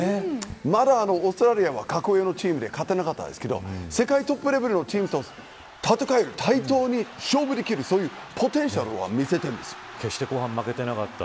まだオーストラリアは格上のチームで勝てなかったですけど世界トップレベルのチームと対等に勝負できるポテンシャルは決して後半負けていなかった。